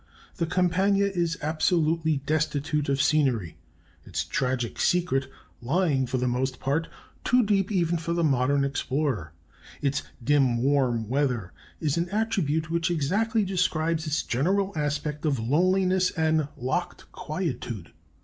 the Campagna is absolutely destitute of scenery, its tragic secret lying, for the most part, too deep even for the modern explorer; its 'dim warm weather' is an attribute which exactly describes its general aspect of loneliness and locked quietude.